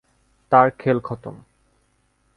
তার খেল খতম।